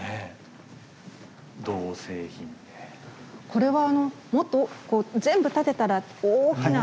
これはもっと全部立てたら大きな。